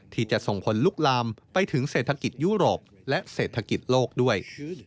ที่จะส่งผลลุกลามไปถึงเศรษฐกิจยุโรปและเศรษฐกิจโลกด้วย